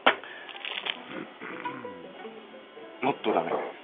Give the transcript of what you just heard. もっと駄目。